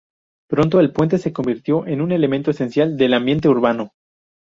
Pronto el puente se convirtió en un elemento esencial del ambiente urbano.